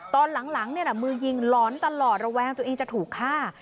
ตอนหลังหลังเนี้ยแหละมือยิงหลอนตลอดระแวงตัวเองจะถูกฆ่า